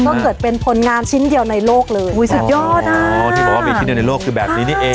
ก็เกิดเป็นผลงานชิ้นเดียวในโลกเลยอุ้ยสุดยอดอ่ะอ๋อที่บอกว่ามีชิ้นเดียวในโลกคือแบบนี้นี่เอง